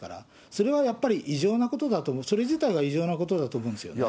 それはやっぱり異常なことだと思う、それ自体が異常なことだと思うんですよね。